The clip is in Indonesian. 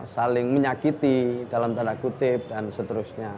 saling menyakiti dalam tanda kutip dan seterusnya